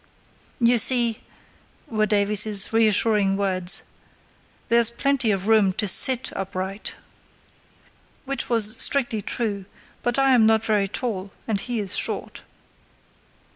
"You see," were Davies's reassuring words, "there's plenty of room to sit upright" (which was strictly true; but I am not very tall, and he is short).